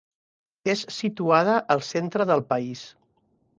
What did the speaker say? És situada al centre del país.